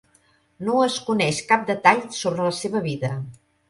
No es coneix cap detall sobre la seva vida.